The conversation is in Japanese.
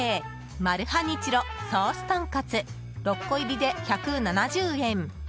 マルハニチロソースとんかつ６個入りで１７０円。